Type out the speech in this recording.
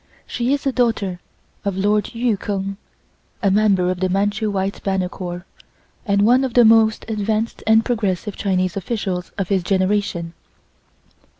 She is a daughter of Lord Yu Keng, a member of the Manchu White Banner Corps, and one of the most advanced and progressive Chinese officials of his generation.